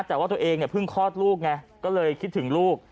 แต่ว่าตัวเองเนี่ยเพิ่งคลอดลูกไงก็เลยคิดถึงลูก